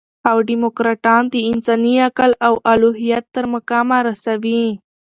او ډيموکراټان د انساني عقل او د الوهیت تر مقامه رسوي.